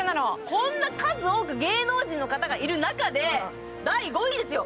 こんな数多く芸能人の方がいる中で第５位ですよ。